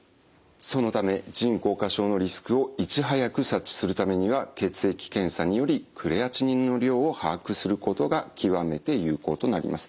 そのため腎硬化症のリスクをいち早く察知するためには血液検査によりクレアチニンの量を把握することが極めて有効となります。